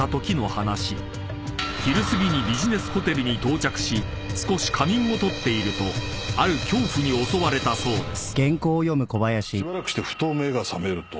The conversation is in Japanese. ［昼すぎにビジネスホテルに到着し少し仮眠を取っているとある恐怖に襲われたそうです］